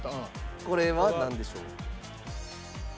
これはなんでしょう？